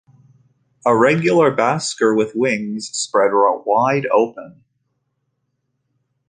A regular basker with wings spread wide open.